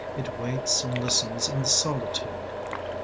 It waits and listens in the solitude.